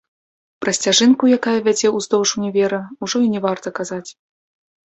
Пра сцяжынку, якая вядзе ўздоўж універа, ужо і не варта казаць.